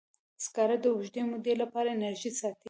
سکاره د اوږدې مودې لپاره انرژي ساتي.